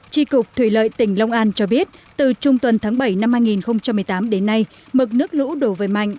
tri cục thủy lợi tỉnh long an cho biết từ trung tuần tháng bảy năm hai nghìn một mươi tám đến nay mực nước lũ đổ về mạnh